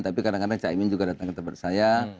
tapi kadang kadang cak imin juga datang ke tempat saya